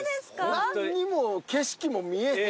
何にも景色も見えへん。